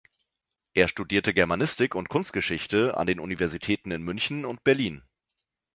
Er studierte Germanistik und Kunstgeschichte an den Universitäten in München und Berlin.